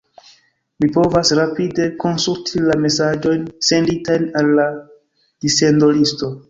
Mi povas rapide konsulti la mesaĝojn senditajn al la dissendolisto...